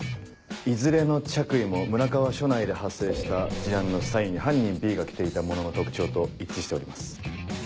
いずれの着衣も村川署内で発生した事案の際に犯人Ｂが着ていたものの特徴と一致しております。